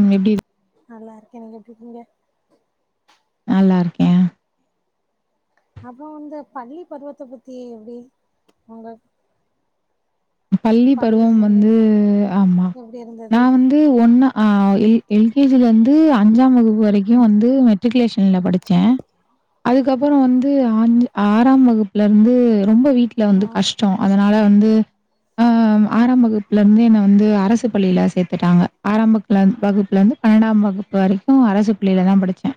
ம் எப்டி இருக் நல்லாருக்கேன் நீங்க எப்டிருக்கீங்க நல்லாருக்கேன் அப்பறோ வந்து பள்ளி பருவத்த பத்தி எப்டி உங்களுக் பள்ளி பருவம் வந்து ஆமா எப்டி நா இருந்தது வந்து இ ஒண்ணா ஆ எல் கே ஜி லருந்து அஞ்சாம் வகுப்பு வரைக்கும் வந்து மெட்ரிகுலேஷன்ல படிச்சேன் அதுக்கப்புறம் வந்து அஞ் ஆறாம் வகுப்பு ல இருந்து ரொம்ப வீட்ல ஆ வந்து கஷ்டோ அதனால வந்து ஆ ம் ஆ ஆறாம் வகுப்புல இந்து என்ன வந்து அரசு பள்ளியில சேத்துட்டாங்க ஆறாம் வகுப்புல இந் ஆறாம் வகுப்புல இந்து பன்னெண்டாம் வகுப் பு வரைக்கு அரசு பள்ளியில தா படிச்சே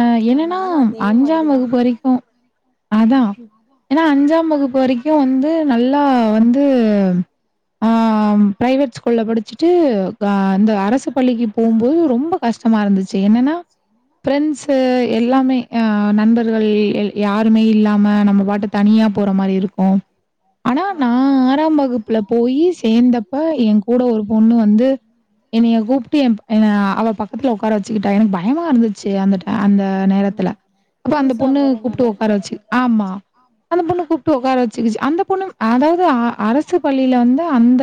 ஆ என்னன்னா நானு அதே அஞ்சாம் மாதிரிதா வகுப்பு வரைக்கு அதா ஏனா அஞ்சாம் வகுப்பு வரைக்கு வந்து நல்லா வந்து ஆ ப்ரைவேட் ஸ்கூல்ல படிச்சுட்டு க இந்த அரசு பள்ளிக்கு போகும்போது ரொம்ப கஷ்டமா இருந்துச்சு என்னனா ஃப்ரெண்ட்ஸ் எல்லாமே ஆ நண்பர்கள் யாருமே இல்லாம நம்ம பாட்டுக்கு தனியா போற மாரி இருக்கு ஆனா ஆ நா ஆ ஆறாம் வகுப்புல போய் சேர்ந்தப்ப என் கூட ஒரு பொண்ணு வந்து என்னய கூப்ட்டு என் என அவ பக்கத்துல உக்கார வச்சுக்கிட்டா எனக்கு பயமா இருந்துச்சு அந்த ட அந்த நேரத்துல ம் அப்ப அந்த புதுசா பொண்ணு போறனால கூப்ட்டு உக்கார வச்சு ஆமா அந்த பொண்ணு கூப்ட்டு உக்கார வச்சுக்குச்சு அந்த பொண்ணு அதாவது அரசு பள்ளில வந்து அந்த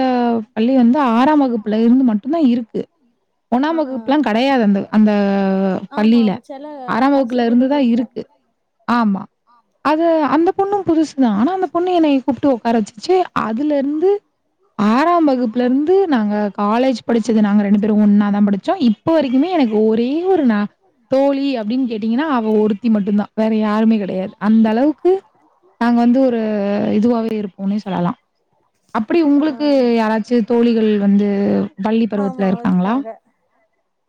பள்ளி வந்து ஆறாம் வகுப்புல இருந்து மட்டும்தா இருக்கு ஒன்னா ஆ ஆ வகுப்புலா கெடையாது அந்த அந்த ஆமா பள்ளில ஆமா செல ஆறாம் அரசு வகுப்புல பள்ளில இருந்துதா அப்டி இருக்கு ஆமா அது அந்த பொண்ணு புதுசுதா ஆனா அந்த பொண்ணு என்னய கூப்ட்டு உக்கார வச்சு ச அதுலருந்து ஆறாம் வகுப்புல இருந்து நாங்க காலேஜ் படிச்சது நாங்க ரெண்டு பேரு ஒன்னா தான் படிச்சோ இப் இப்ப வரைக்குமே எனக்கு ஒரே ஒரு நா தோழி அப்டின்னு கேட்டீங்கனா அவ ஒருத்தி மட்டும்தா வேற யாருமே கெடையாது அந்த அளவுக்கு நாங்க வந்து ஒரு இதுவாவே இருப்போ வுனே சொல்லலா அப்டி ஆ உங்களுக்கு யாராச்சு தோழிகள் வந்து பள்ளி பருவத் ஆ இருக்காங்க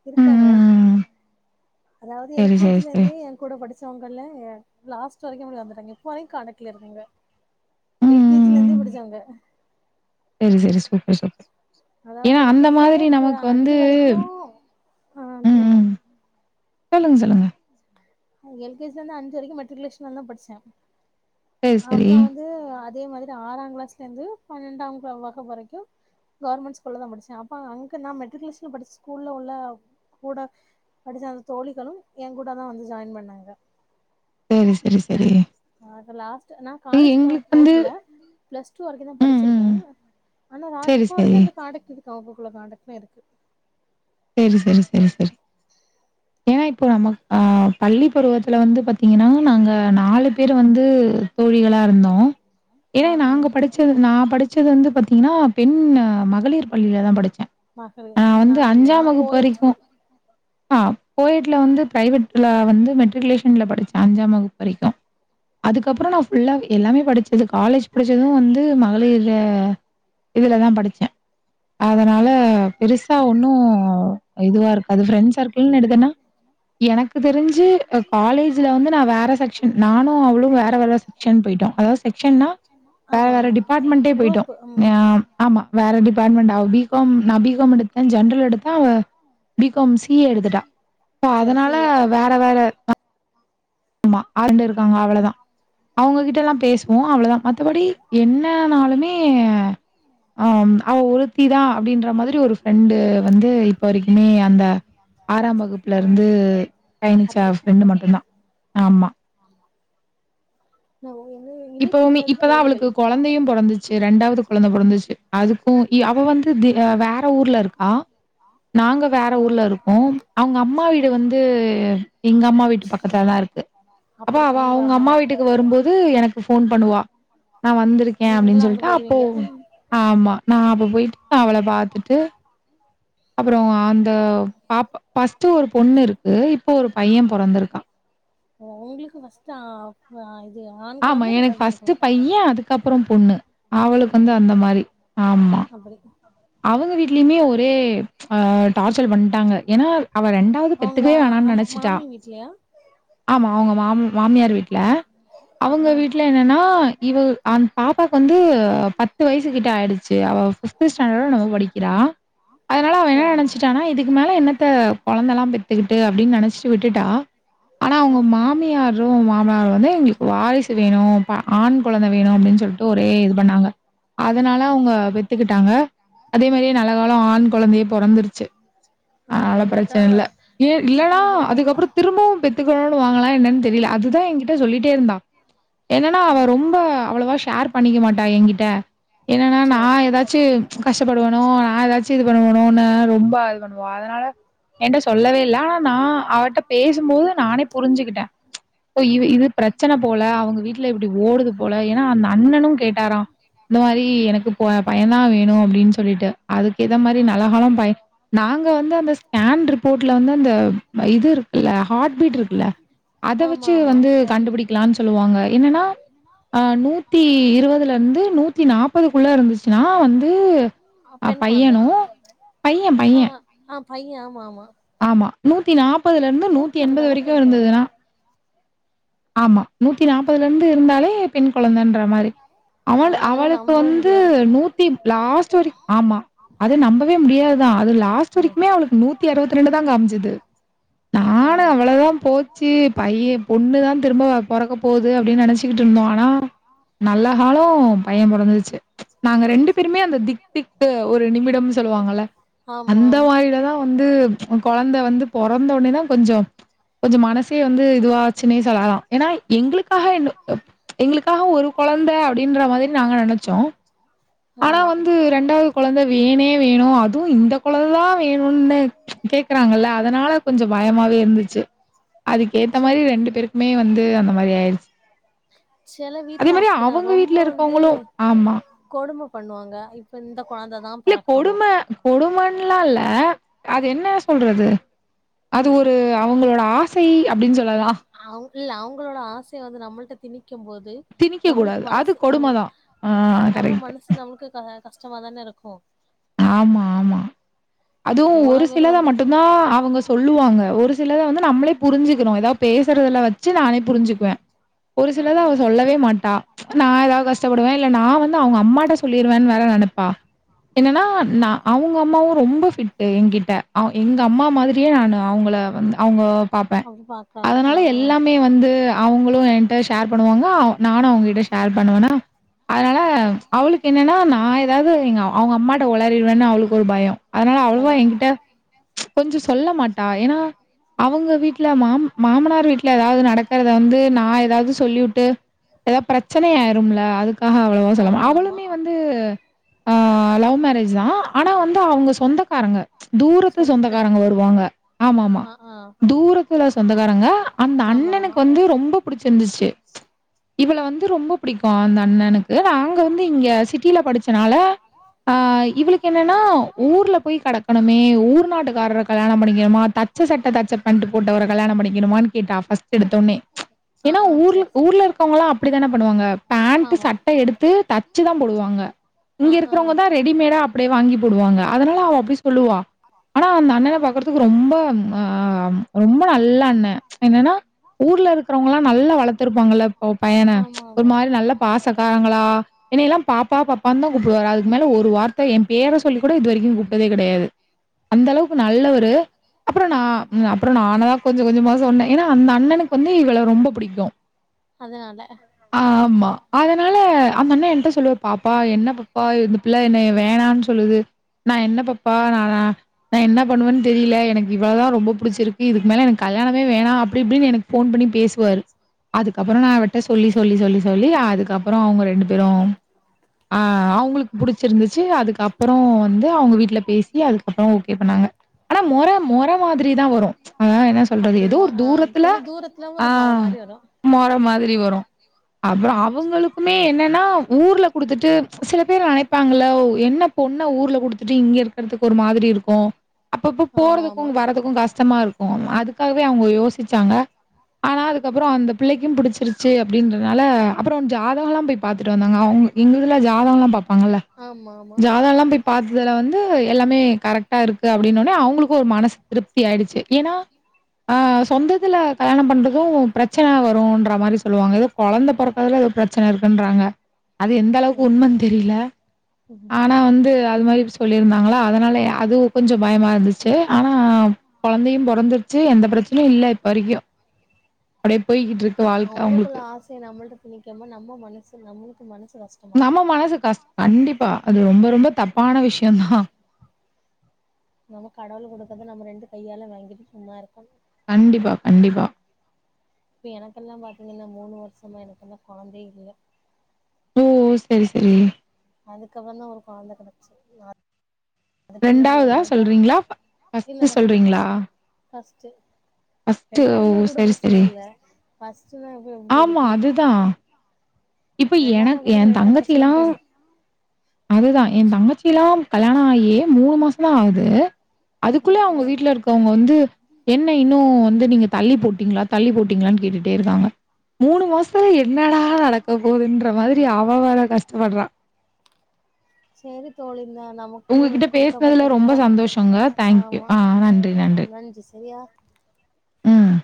இருக்காங்க ம், ம். அதாவது சரி, சரி, எல்கேஜில சரி. இருந்து எம் கூட படிச்சவங்கல்ல லாஸ்ட் வரைக்குல்ல வந்துட்டாங்க இப்ப வரைக்கு காண்டாக்ட்ல இருக்குங்க ம், ம், எல்கேஜில இருந்தே ம். படிச்சாங்க சரி, சரி. Super, super. அதாவது ஏன்னா எல் அந்த மாதிரி கேஜிலந்து ச நமக்கு வந்து அஞ்சு வரைக்கு ஆ சொல்லுங்க சொல்லங்க சொல்லுங்க எல்கேஜ இருந்து அஞ்சு வரைக்கு மெட்ரிகுலேஷன்ல படிச்ச சரி, சரி. அப்பற வந்து அதே மாரி ஆறாம் கிளாஸ்ல இருந்து பன்னெண்டாம் வகுக வரைக்கு கவர்மெண்ட் ஸ்கூல்லதா படிச்ச அப்ப அங்க நான் மெட்ரிகுலேஷன் படிச்ச ஸ்கூல்ல உள்ள கூட படிச்ச அந்த தோழிகளும் என்கூடதா வந்து ஜாயின் பண்ணாங்க செ ரி செரி செரி அத லாஸ்ட் நா காலேஜ் போ வந்து போகல பிளஸ் டூ வரைக்கு தா ம், படிச்சிருக்கே ம். ஆனா ர சரி, இப்ப சரி. வரைக்கு அந்த காண்டக்ட் இருக்கா அப்பக்குள்ள காண்டக்ட்னா இருக்கு செரி செரி செரி செரி ஏன்னா இப்போ நம்ம அ பள்ளி பருவத்துல வந்து பாத்தீங்கன்னா நாங்க நாலு பேரு வந்து தோழிகளா இருந்தோ ஏன்னா ஆ ஆ நாங்க படிச்சது நா படிச்சது வந்து பாத்தீங்கன்னா பெண் மகளிர் பள்ளில தா படிச்ச அகவே நா இல்லனா இப்போ வரிக்கு ஆ போயட்ல வந்து ப்ரைவேட்ல வந்து மெட்ரிகுலேஷன்ல படிச்ச அஞ்சாம் வகுப்பு வரைக்கு அதுக்கப்ற நா ஃபுல்லா எல்லாமே படிச்சது காலேஜ் படிச்சது வந்து மகளிர்ல இதுல தா படிச்ச ஆ ஆ அதனால பெருசா ஒன்னு இதுவா இருக்காது ஃப்ரெண்ட்ஸ் சர்க்கிள்ன்னு எடுத்தனா எனக்கு தெரிஞ்சு காலேஜ்ல வந்து நா வேற செக்க்ஷன் நானு அவளு வேற வேற செக்க்ஷன் போய்ட்டோ அதாவ செக்க்ஷன்னா வேற ஆமா வேற ஆமா டிபார்ட்மெண்ட்டே போய்ட்டோ குரூப் ம் ஆமா வேற டிபார்ட்மெண்ட் அவ பி கா ம் நா பி கா ம் எடுத்த ஜென்ரல் எடுத்த பி காம் சி ஏ எடுத்துட்டா சரி சி அதனால ஏ வேற வேற ஆமா ஆரண்டு இருக்காங்க அவளதா அவங்ககிட்ட எல்லா பேசுவோ அவ்ளதா மத்தபடி என்னனாலுமே ஆ அவ ஒருத்திதா அப்டின்ற மாதிரி ஒரு ஃப்ரெண்டு வந்து இப்ப வரைக்குமே அந்த ஆறாம் வகுப் ல ஆ இருந்து பயணிச்சா ஃப்ரெண்டு மட்டுதா ஆமா ஆமா நா ஓங்க என்னு இப்பவுமே இப்பதா அவளுக்கு கொழந்தையு பொறந்துச்சு ரெண்டாவது கொழந்த பொறந்துச்சு அதுக் உ இ அவ வந்து வேற ஊர்ல இருக்கா நாங்க ஆ வேற ஆ ஊர்ல இருக்கோ அவங்க அம்மா வீடு வந்து எங்க அம்மா வீட்டு பக்கத்த தா இருக்கு அப்ப அப்டி அவ உங்க அவங்க அம்மா வீட்டுக்கு வரும்போது எனக் போன் பண்ணுவா நா வந்திருக்கே அப்டின் நீங்களு அங்க சொல்ட்டு அப்போ போயிருவீங்க ஆமா நா அப்ப போயிட்டு அவள பாத்துட்டு அப்புறோ அந்த பாப் ஃபஸ்ட் ஒரு பொண்ணு இருக்கு இப்போ ஒரு பைய பொறந்திருக்கா உ உங்களுக்கு ஃபஸ்ட் ஆமா எனக்கு ஃபஸ்ட்டு பைய அதுக்கப்புற பொண்ணு அவளுக்கு கொழந்த வந்து அந்த மாரி ஆமா அப்டி அவங்க வீட்லயுமே ஒரே ஆ டார்ச்சல் பண்ட்டாங்க ஏன்னா அவ ரெண்டாவது பெத் த்துகவே வேணானு நெனச்சிட்டா வீட்லையா ஆமா அவங்க மாம் மாமியார் வீட்ல ஆ அவங்க ஆ வீட்ல என்னன்னா இவ அந் பாப்பாக்கு வந்து பத்து வயசு கிட்ட ஆயிடுச்சு அவ ஃபிப்து ஸ்ட டு படிக்கிறா அதனால அவ என்ன சேரிங்க நெனச்சிட்டானா இதுக்கு மேலே என்னத்த கொழந்தல்லா பெத்துகிட்டு அப்டின் நெனைச்சி விட்டுட்டா ஆனா ஆ அவுங்க ஆ மாமியாரு மாமனாரு வந்து எங்களுக் வாரிசு வேணு ப ஆண் கொழந்த வேணு அப்டின் சொல்ட்டு ஒரே இது பண்ணாங்க அதனால அவங்க பெத்துக்கிட்டாங்க அதே மாரியே நல்ல காலோ ஆண் கொழந்தையே பொறந்துருச்சு ஆமா அதனால இல்லாட்டா பிரச்சன இல்ல ஏ இல்லன்னா திட்டிருவாங்க ஆ அதுக்கப்புற திரும்பவு பெத்துக்கணுனு வாங்கலா என்னன் தெரியல அதுதா எங்கி சொல்லிட்டே இருந்தா என்னன்னா அவ ரொம்ப அவ்வளவா ஷேர் பண்ணிக்க மாட்டா எங்கிட்ட என்னன்னா நா சேர் சேர் ஏதாச்சு கஷ்டப்படுவணோ நா ஏதாச்சு இது பண்ணுவனோனு ரொம்ப இது பண்ணுவா அதனால என்ட்ட சொல்லவே இல்ல ஆனா நா அவட்ட பேசும்போது நானே புரிஞ்சிகிட்டே இ இது பிரச்சன போல அவங்க வீட்ல இப்டி ஓடுது போல ஏன்னா அந்த அண்ணனு கேட்டாரா இந்த மாரி எனக்கு போ பைய தா வேணு அப்டின் சொல்லிட்டு அதுக்கு ஏத மாரி ஆ ஆ நல்லகாலம் பை நாங்க வந்து அந்த ஸ்கேன் ரிப்போட்ல வந்து அந்த இது இருக்குல்ல ஹாட்பீட் இருக்குல்ல அத ஆமா வச்சு ஆமா வந்து கண்டுபிடிக்கலான் சொல்லுவாங்க என்னன்னா நூத்தி இருவதுல இருந்து நூத்தி நா ப்பதுக்குள்ள இருந்துச்சுன்னா வந்து பெண் கொழந்த பையனு பைய பைய ஆ ஆ பைய ஆமா ஆமா ஆமா நூத்தி நாப்பதுல இருந்து நூத்தி எண்பது அதுனாதா வரைக்கு பெண் கொழந்த இருந்ததுனா ஆமா நூத்தி நாப்பதுல இருந்து இருந்தாலே பெண் குழந்தன்ற மாரி அவள் ஆனா அதெல்லா அவளுக்கு நம்பவு வந்து முடியாது நூத்தி லாஸ்ட் வரைக் ஆமா அது நம்பவே முடியாதுதா அது லாஸ்ட் ம் வரைக்குமே அவளுக்கு நூத்தி அறுவத்தி ரெண்டு தா காமிச்சுது ஆ ஆ நானு அவ்ளோதா போச்சு பைய பொண்ணுதா திரும்ப பொறக்க போது அப்டின் நெனச் இண்டு மோனா நல்ல காலோ பைய பொறந்துருச்சு நாங்க சேரி ரெண்டு சேரி பேருமே அந்த திக்திக்கு ஒரு நிமிடம்னு சொல்லுவாங்கல்ல ஆமா அந்த ஆமா மாரில தா வந்து கொழந்த வந்து பொறந்த உடனே தா கொஞ்சோ கொஞ்சோ மனசே வந்து இதுவாச்சுனே சொல்லலா ஏனா எங்களுக்காக என் அ ச்சு எங்களுக்காக ஒரு கொழந்த அப்டின்ற மாரி நாங்க நெனச்சோ ஆனா ஆமா வந்து ரெண்டாவது கொழந்த வேணே வேணு அதுவு இந்த கொழந்ததா வேணுனு ச்சு கேக்குறாங்கல்ல அதனால கொஞ்சோ ஆமா பயமாவே இருந்துச்சு அதுக்கு ஏத்த சே மாரி ரெண்டு பேருக்குமே வந்து அந்த மாரி ஆயிடுச்சு செல அதே வீட்ல மாரி அப்டிதா அவங்க ரொம்ப வீட்டுல வந்து இருக்கவங்களு ஆமா கொடும பண்ணுவாங்க இப்ப இந்த கொழந்த இல்ல கொடும கொடுமன்லா இல்ல அத என்ன சொல்றது அது ஒரு அவங்களோட ஆசை அப்டின் சொல்லலா அவங்கில் அவங்களோட ஆசைய வந்து நம்மள்ட்ட திணிக்கு போது நம்மளுக்கு திணிக்கக்கூடாது. அது மனசு அம் கொடும தான். ஆ நம்ம கரெக்ட். மனசு நம்க்கு க கஷ்டமாதான இருக்கு ஆமா ஆமா அதுவு எவ்ளோ ஒரு பேரு சிலத வந்து மட்டுந்தா அவங்க சொல்லுவாங்க ஒரு சிலத வந்து நம்மளே புரிஞ்சுக்கணு ஏதா பேசுறதுல வச்சு நானே புரிஞ்சுக்குவே ஒரு ஆ சிலத அவ சொல்லவே மாட்டா நா ஏதா கஷ்டப்படுவே இல்ல நா வந்து அவங்க அம்மாட்ட சொல்லிருவேன்னு வேற நெனப்பா என்னன்னா நா அவங்க அம்மாவு ரொம்ப ஃபிட்டு என்கிட்ட அவ எங்க அம்மா மாதிரியே நானு அவங்கள வந்து அவுங்கோ பாப்பே அப்டி பாக்குறாங்க ஆ அதனால எல்லாமே வந்து அவங்களு என்ட ஷேர் பண்ணுவாங்க நானு அவங்கிட்ட ஷேர் பண்ணுவேனா அதனால அவளுக்கு என்னன்னா நா ஏதாது எங்க அவங்க அம்மாட்ட உளறிடுவேன்னு அவளுக்கு ஒரு பயோ அதனால அவ்வளவா பயோ எங்கிட்ட ச்சு கொஞ்சோ சொல்ல மாட் டா ஏனா அவங்க வீட்டு்ல மாம் மாமனார் வீட்டு்ல ஏதாது நடக்கறத வந்து நா ஏதாது சொல்லிவுட்டு ஏதாது பிரச்சனை ஆயிரும்ல அதுக்காக அவ்வளவா சொல்லமா ஆமா ஆமா அவளுமே வந்து ஆ லவ் மேரேஜ்தா ஆனா வந்து அவங்க சொந்தக்காரங்க ச்சு தூரத்து சொந்தத்துல சொந்தக்காரங்க வரும் வாங்க ஆமா ஆமா ஆ ஆ தூரத்துல சொந்தக்காரங்க அந்த ஆமா ஆமா அண்ணனுக்கு வந்து ரொம்ப புடிச்சிருந்துச்சு ச்சு இவள வந்து ரொம்ப புடிக் கோ அந்த அண்ணனுக்கு அவங்க வந்து இங்க சிட்டியில படிச்சனால ஆ இவளுக்கு என்னன்னா ஊர்ல போய் கெடக்கணுமே ஊர் நாட்டுக்கார்ர கல்யாணோ பண்ணிக்கணுமா தட் ச்ச சட்ட தச்ச பண்ட் போட்டவர கல்யாணோ பண்ணிக்கணுமான்னு கேட்டா ஃபஸ்ட் எடுத்தோனே ச்சு ஆ ஏனா ஆ ஊர்ல சேரி சேரி ஊர்ல இருக்கவங்கலா அப்படித்தான பண்ணுவாங்க பேண்ட் ஆமா சட்ட எடுத்து தைச்சுதா போடுவாங்க ஆ இங்க இருக் ஆ ரெடிமேடா அப்டியே வாங்கி போடுவாங்க அதனால அவ அப்டி சொல்லுவா ஆனா அந்த அண்ணன பாக்குறதுக்கு ரொம்ப அ ரொம்ப நல்ல அண்ண ச்சு என்னன்னா ஊர்ல இருக்கிறவங்கலா நல்லா வளர்த்துருப்பாங்கல்ல ஒ பையன ச்சு ஆமா ஒரு ஆமா மாரி நல்ல பாசகாரங்களா என்னய எல்லா பாப்பா பாப்பானுதா கூப்புடுவாரு அது க்கு மேல ஒரு வார்த்த என் பேர சொல்லி கூட இது வரைக்கு கூப்பிட்டதே கெடையாது அந்த அளவுக்கு நல்லவரு அப்புற நா அப்புற நாங்கதா கொஞ்ச கொஞ்சமா சொன்னே ஏனா அந்த அண்ணனுக்கு வந்து இவள ரொம்ப புடிக்கு அதுனால ஆ ஆமா அதனால அந்த அண்ணா என்ட்ட சொல்லுவாரு பாப்பா என்ன பாப்பா இது புள்ள என்னய வேணானு சொல்லுது நா என்ன பப்பா நா நா நா என்ன பண்ணுவேனு தெரில எனக் இவளதா ரொம்ப புடிச்சிருக்கு இதுக்கு மேல எனக் கல்யாணமே வேணா அப்டி இப்டின்னு எனக்கு ஃபோன் பண்ணி பேசுவாரு அதுக்கப்பறோ நா அவட்ட சொல்லி சொல்லி சொல்லி சொல்லி அதுக்கப்பறோ அவுங்க ரெண்டு பேரு ஆ அவுங்களுக்கு புடுச்சுருந்துச்சு அதுக்கப்பறோ வந்து அவுங்க வீட்ல பேசி சி அதுக்கப்பறோ ஓகே பண்ணாங்க ஆனா மொற மொற மாதிரிதா வரு ஆ என்ன சொல்றது அப்டி ஏதோ மொ ஒரு ஆ தூரத்துல கொஞ்சோ தூரத்துல ஆ ஒரு மொர மாரி வரு மொற மாதிரி வரு அப்பறோ ம் அவங்களு குமே என்னன்னா ஊர்ல குடுத்துட்டு சில பேர் நெனைப் பாங்கள்ள என்ன பொண்ண ஊர்ல குடுத்துட்டு இங்க இருக்கறதுக்கு ஒரு மாதிரி இருக்கு அப்பப்ப ஆமா போறதுக்கு ஆமா வர்றதுக்கு கஷ்டமா இருக்கு அதுக்காவே அவுங்க யோசிச்சாங்க ஆனா அதுக்கப்பறோ அந்த பிள்ளைய்கும் புடுச்சுருச்சு அப்டின்றனால அப்பறோ ஜாதகோல்லா போய் பாத்துட்டு வந்தாங்க அவுங்க எங்க இதுல ஜாதகோல்லா பாப்பாங்கல்ல ஆமா ஆமா ஜாதகோல்லா போய் பாத்ததுல வந்து எல்லாமே கரெக்டா இருக்கு அப்டினோனே கரெக்டா அவுங்களுக்கு ஒரு மனசு திருப்தி ஆயிடுச்சு ஏனா ஆ சொந்தத்துல கல்யாணோ பண்றது பிரச்சன வருன்ற மாரி சொல்லுவாங்க ஏதோ கொழந்த பெறக்கறதுல எதோ பிரச்சன இருக் குன்றாங்க அது எந்த அளவுக்கு உண்மன் ம் தெரில ம் ஆனா வந்து அது மாரி சொல்லிருந்தாங்களா அதனால அதுவு கொஞ்சொ பயமா இருந்துச்சு ஆனா கொழந்தையு பொறந்துறுச்சு எந்த பிரச்சனையு இல்ல இப்ப வரைக்கு அப்டியே போய் கிட் அவுங்கக்குள்ள ஆசய நம்மள்ட்ட திணிக்காம நம்ம மனசு நம்மளுக்கு மனசு கஷ் நம்ம மனசு கஷ் கண்டிப்பா அது ரொம்ப ரொம்ப தப்பான விஷ்யந் தா நமக்கு கடவுள் குடுத்தத நம்ம ரெண்டு கையால வாங்கிட்டு சும்மா இருக்கனு கண்டிப்பா கண்டிப்பா இப்ப எனக்கெல்லா பாத்தீங்கன்னா மூணு வருஷமா எனக்கின்னு கொழந்தயே இல்ல ஓ சரி சரி அதுக்கப்பறந் தா ஒரு கொழந்த கெடச்சு அதுக்கு முன்னாடி என்னயா சொல்றீங்களா? ஃப இல்ல ஃபர்ஸ்ட்டு ஃபஸ்ட்டு சொல்றீங்களா? ஃபஸ்ட்டு ஃபர்ஸ்ட்டு ஓ! ரெண்டாதுனா கூட சரி, சரி. பிரச்சனயில்ல ஃபஸ்டுனா தா எங்க ஆமா இருக்கு அதுதான். இப்ப ரெண்டாவதுனா எனக்கு கூட லேட்டா கெடச்சாலு போது அதுதா எ தங்கச்சி யெல்லா கல்யாண ஆயி மூணு மாசந் தா ஆகுது ஆ அதுக்குள்ள ஆ அவுங்க வீட்ல இருக் அவுங்க வந்து என்ன இன்னு வந்து நீங்க தள்ளி போட்டீங்களா தள்ளி போட்டீங்களான்னு கேட்டுட்டே இருக்காங்க மூணு மாசத்துல என்னடா நடக்க போதுன்ற மாரி அவ வேற கஷ்டப்படுறா சேரி தோழி இந்தா நமக் கு உங்ககிட்ட பேசுனதுல குடுக்கப்பட்ட ரொம்ப நேரோ சந்தோஷங்க தேங்க்யூ ஆமா ஆ நன்றி நன்றி செரியா ம்